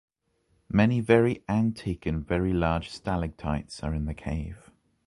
Many very antique and very large stalactites are in the cave.